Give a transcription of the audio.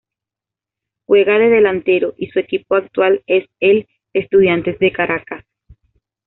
Juega de delantero y su equipo actual es el Estudiantes de Caracas.